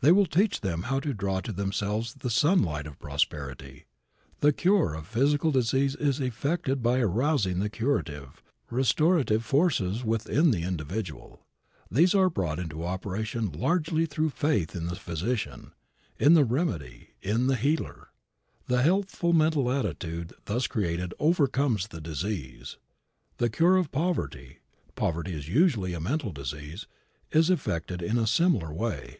They will teach them how to draw to themselves the sunlight of prosperity. The cure of physical disease is effected by arousing the curative, restorative forces within the individual. These are brought into operation largely through faith in the physician, in the remedy, in the healer. The healthful mental attitude thus created overcomes the disease. The cure of poverty, poverty is usually a mental disease, is effected in a similar way.